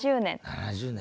７０年か。